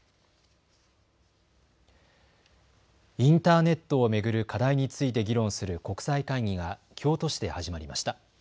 インターネットを巡る課題について議論する国際会議が京都市で始まりました。